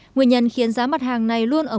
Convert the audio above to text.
nguyên nhân khiến giá mặt hàng này luôn ẩm